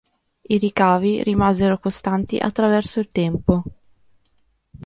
I ricavi rimasero costanti attraverso il tempo.